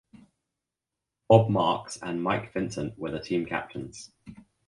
Bob Marks and Mike Vincent were the team captains.